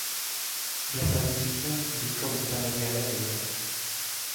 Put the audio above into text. Bertan bizi zen hiriko biztanleriaren gehiena.